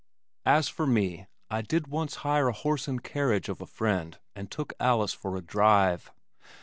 As for me I did once hire a horse and carriage of a friend and took Alice for a drive!